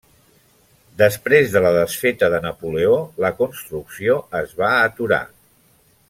Després de la desfeta de Napoleó la construcció es va aturar.